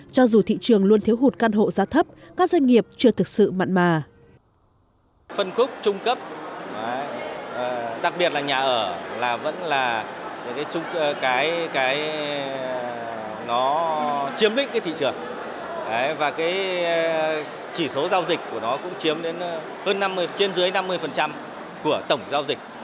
cho dù thị trường luôn thiếu hụt căn hộ giá thấp các doanh nghiệp chưa thực sự mặn mà